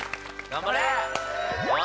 頑張れ！